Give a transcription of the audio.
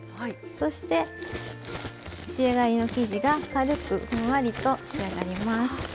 そして、仕上がりの生地が軽くふんわりと仕上がります。